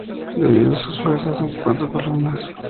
Dividió sus fuerzas en cuatro columnas.